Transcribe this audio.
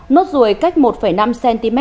nốt ruồi cách một năm cm